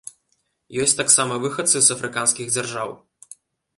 Ёсць таксама выхадцы з афрыканскіх дзяржаў.